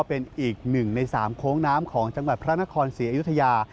เป็นอีกหนึ่งใน๓โค้งน้ำของจังหวัดพระนครศรีอยุธยา